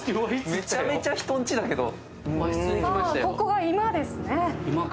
ここが居間ですね。